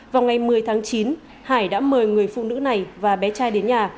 vào ngày một mươi tháng chín hải đã mời người phụ nữ này và bé trai đến nhà